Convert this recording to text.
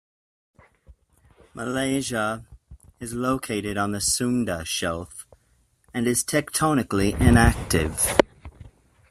Malaysia is located on the Sunda shelf, and is tectonically inactive.